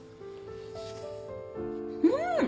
うん！